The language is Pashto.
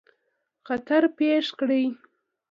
خطر پېښ کړي.